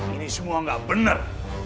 ini semua gak bener